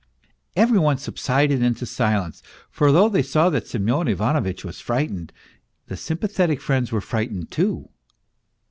Every one subsided into silence, for though they saw that Semyon Ivanovitch was frightened, the sympathetic friends were frightened too.